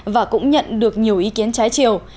và cũng nhận được nhiều ý kiến trái chiều